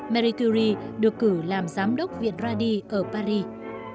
marie curie được cử làm giám đốc viện radi ở paris